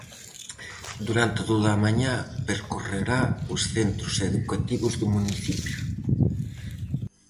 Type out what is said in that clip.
Durante toda a mañá percorrerá os centros educativos do municipio.